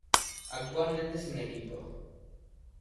Actualmente sin equipo.